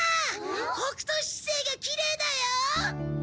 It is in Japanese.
北斗七星がきれいだよ。